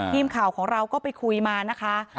ทีมข่าวของเราก็ไปคุยมานะคะ